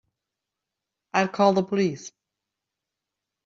I'll call the police.